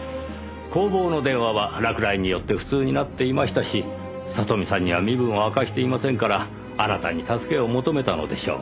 工房の電話は落雷によって不通になっていましたし里実さんには身分を明かしていませんからあなたに助けを求めたのでしょう。